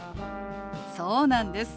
そうなんです。